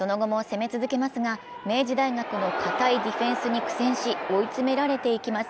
その後も攻め続けますが、明治大学のかたいディフェンスに苦戦し、追い詰められていきます、